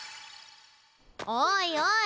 おいおい！